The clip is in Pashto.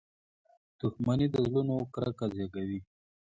• دښمني د زړونو کرکه زیږوي.